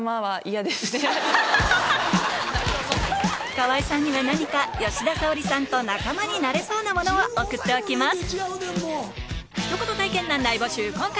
川井さんには何か吉田沙保里さんと仲間になれそうなものを送っておきます